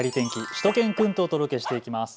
しゅと犬くんとお届けしていきます。